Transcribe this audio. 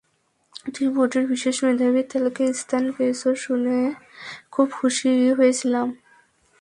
তুমি বোর্ডের বিশেষ মেধাবী তালিকায় স্থান পেয়েছ শুনে খুব খুশি হয়েছিলাম।